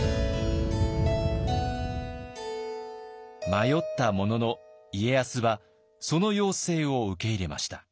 迷ったものの家康はその要請を受け入れました。